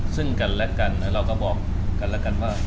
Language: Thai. ซึ่งกันและกันเราก็บอกกันแล้วกันว่า